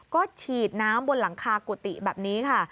ก็ฉีดน้ำบนหลังคากุฏิแบบนี้ค่ะ